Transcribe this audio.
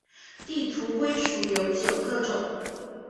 地图龟属有九个种。